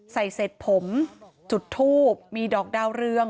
เสร็จผมจุดทูบมีดอกดาวเรือง